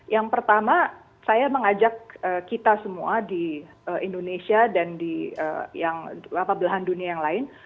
yang pertama saya mengajak kita semua di indonesia dan di belahan dunia yang lain